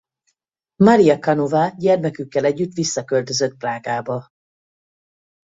Maria Kanová gyermekükkel együtt visszaköltözött Prágába.